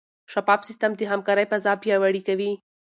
شفاف سیستم د همکارۍ فضا پیاوړې کوي.